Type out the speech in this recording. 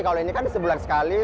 kalau ini kan sebulan sekali